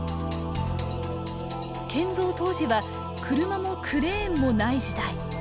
建造当時は車もクレーンもない時代。